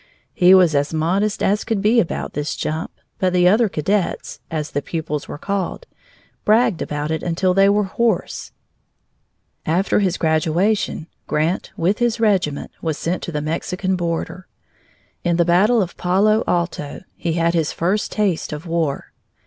He was as modest as could be about this jump, but the other cadets (as the pupils were called) bragged about it till they were hoarse. After his graduation, Grant, with his regiment, was sent to the Mexican border. In the battle of Palo Alto he had his first taste of war.